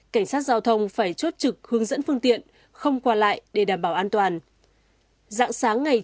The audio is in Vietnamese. cảnh sát giao thông phải chốt trực hướng dẫn phương tiện không qua lại để đảm bảo an toàn